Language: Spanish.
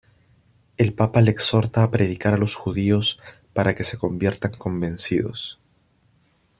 El papa le exhorta a predicar a los judíos para que se convirtieran convencidos.